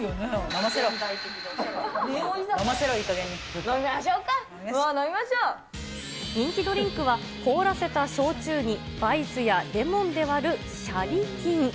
飲みましょうか、もう、人気ドリンクは、凍らせた焼酎にバイスやレモンで割るシャリキン。